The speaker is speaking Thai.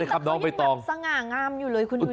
แต่เขายังสง่างงามอยู่เลยคุณผู้ชม